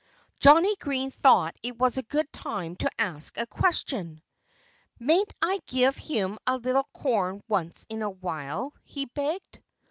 Johnnie Green thought it was a good time to ask a question. "Mayn't I give him a little corn once in a while?" he begged.